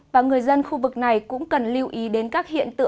và người dân khu vực này cũng cần lưu ý đến các hiện tượng